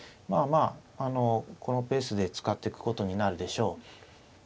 まあまあこのペースで使っていくことになるでしょう。